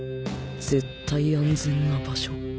絶対安全な場所。